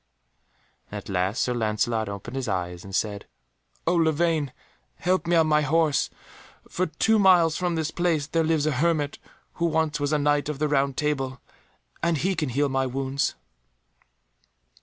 And at last Sir Lancelot opened his eyes, and said, "O Lavaine, help me on my horse, for two miles from this place there lives a hermit who once was a Knight of the Round Table, and he can heal my wounds."